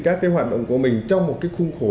các cái hoạt động của mình trong một cái khung khổ